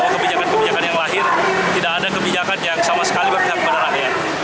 kebijakan kebijakan yang lahir tidak ada kebijakan yang sama sekali berpihak kepada rakyat